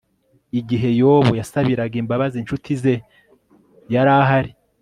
igihe yobu yasabiraga imbabazi incuti ze yarahari